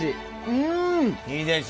うん！